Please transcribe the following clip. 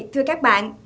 thưa các bạn